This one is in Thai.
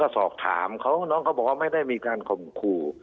สอบถามน้องเขาแนะนำว่าไม่ได้มีการข่มขู่